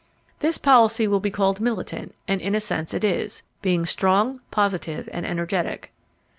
This policy will be called militant and in a sense it is, being strong, positive and energetic.